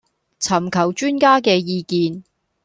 尋求專家嘅意見